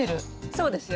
そうですよね。